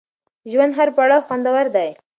د ژوند هر پړاو خوندور دی.